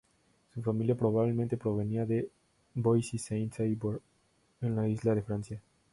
Su familia probablemente provenía de Boissy-sans-Avoir en la Isla de Francia.